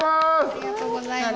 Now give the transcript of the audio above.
ありがとうございます。